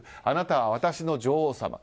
あなたは私の女王様。